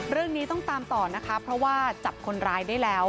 เรื่องนี้ต้องตามต่อนะคะเพราะว่าจับคนร้ายได้แล้ว